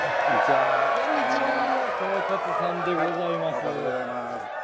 はい川勝でございます。